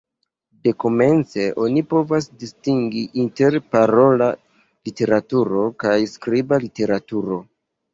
Dekomence oni povas distingi inter parola literaturo kaj skriba literaturo.